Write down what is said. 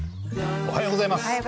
おはようございます。